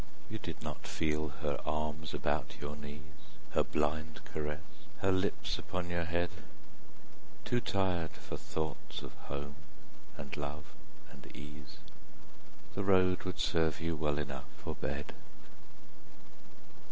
You did not feel her arms about your knees, Her blind caress, her lips upon your head: Too tired for thoughts of home and love and ease, The road would serve you well enough for bed.